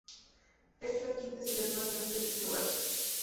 Es la quinta ciudad más grande de Eslovaquia.